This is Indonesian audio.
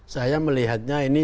saya melihatnya ini